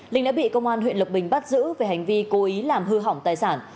linh đã bị công an huyện lộc bình bắt giữ về hành vi cố ý làm hư hỏng tài sản